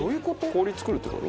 氷作るって事？